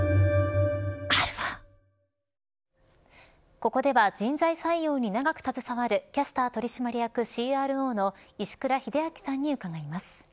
ここでは人材採用に長く携わるキャスター取締役ＣＲＯの石倉秀明さんに伺います。